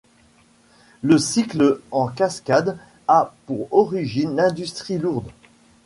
Le cycle en cascade a pour origine l'industrie lourde.